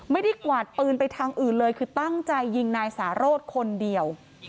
กวาดปืนไปทางอื่นเลยคือตั้งใจยิงนายสาโรธคนเดียว